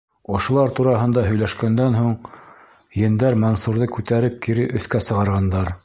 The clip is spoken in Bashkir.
Ошолар тураһында һөйләшкәндән һуң, ендәр Мансурҙы күтәреп кире өҫкә сығарғандар.